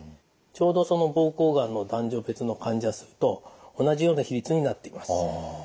ちょうどその膀胱がんの男女別の患者数と同じような比率になっています。